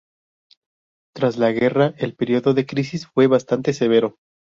Tras la guerra el periodo de crisis fue bastante severo.